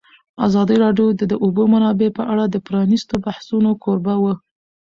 ازادي راډیو د د اوبو منابع په اړه د پرانیستو بحثونو کوربه وه.